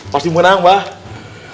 pasti menang pak